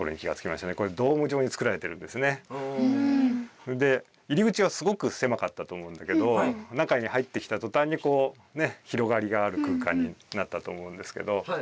それもで入り口はすごくせまかったと思うんだけど中に入ってきたとたんにこうねっ広がりがある空間になったと思うんですけど。